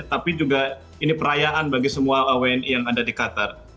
tapi juga ini perayaan bagi semua wni yang ada di qatar